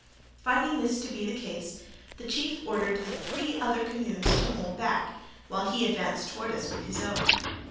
Finding this to be the case, the chief ordered the three other canoes to hold back, while he advanced toward us with his own.